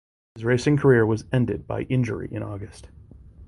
His racing career was ended by injury in August.